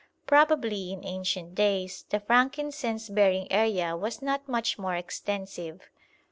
Probably in ancient days the frankincense bearing area was not much more extensive.